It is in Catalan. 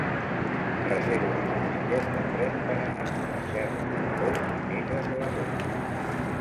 Reserva'm un bitllet de tren per anar a Serra de Daró dimecres a les onze.